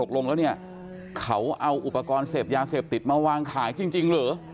ตกลงแล้วเนี่ยเขาเอาอุปกรณ์เสพยาเสพติดมาวางขายจริงเหรอ